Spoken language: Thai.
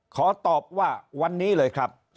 ขอตอบว่าวันนี้เลยครับ